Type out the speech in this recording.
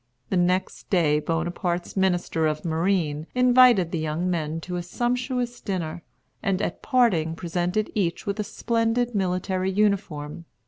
The next day Bonaparte's Minister of Marine invited the young men to a sumptuous dinner, and at parting presented each with a splendid military uniform.